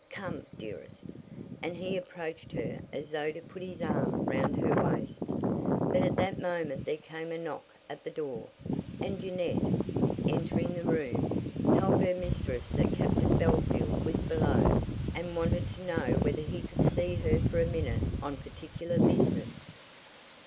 Come, dearest." And he approached her as though to put his arm round her waist. But at that moment there came a knock at the door, and Jeannette, entering the room, told her mistress that Captain Bellfield was below and wanted to know whether he could see her for a minute on particular business.